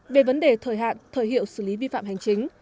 về vấn đề thời hạn thời hiệu xử lý vi phạm hành chính